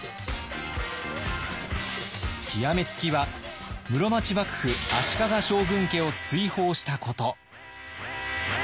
極め付きは室町幕府足利将軍家を追放したこと。